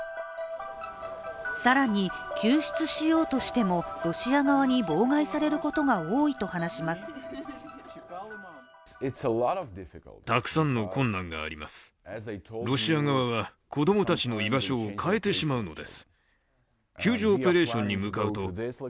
更に救出しようとしてもロシア側に妨害されることが多いと話します。